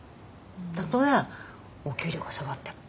たとえお給料が下がっても。